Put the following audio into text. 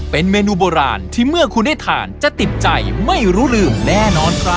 เป็นเมนูโบราณที่เมื่อคุณได้ทานจะติดใจไม่รู้ลืมแน่นอนครับ